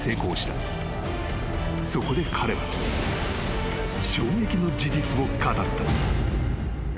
［そこで彼は衝撃の事実を語った］